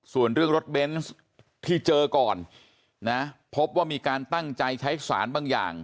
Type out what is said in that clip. ส่วนเรื่องรถเบนส์ที่เจอก่อนนะพบว่ามีการตั้งใจใช้สารบางอย่าง